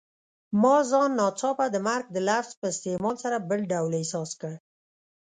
ما ځان ناڅاپه د مرګ د لفظ په استعمال سره بل ډول احساس کړ.